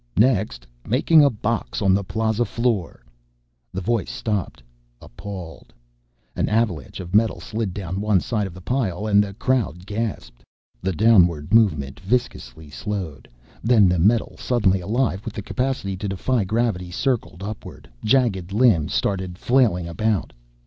Next, making a box on the Plaza floor...." The voice stopped, appalled. An avalanche of metal slid down one side of the pile and the crowd gasped. The downward movement viscously slowed; then the metal, suddenly alive with the capacity to defy gravity, circled upward. Jagged limbs started flailing about.